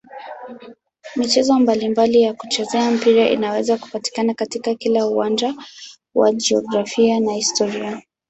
Michezo mbalimbali ya kuchezea mpira inaweza kupatikana katika kila uwanja wa jiografia na historia.